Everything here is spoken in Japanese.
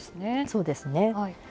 そうですね。